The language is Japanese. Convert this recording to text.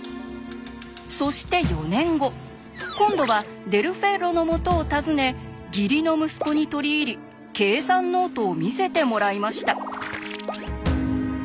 そして４年後今度はデル・フェッロのもとを訪ね義理の息子に取り入り計算ノートを見せてもらいました。